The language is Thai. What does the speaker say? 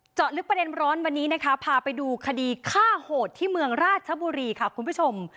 เจาะลึกประเด็นร้อนวันนี้นะคะพาไปดูคดีฆ่าโหดที่เมืองราชบุรีค่ะคุณผู้ชม